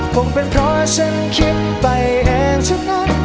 คงเป็นเพราะฉันคิดไปเองเท่านั้น